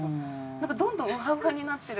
なんかどんどんウハウハになってる。